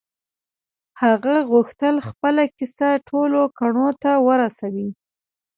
هغه غوښتل خپله کيسه ټولو کڼو ته ورسوي.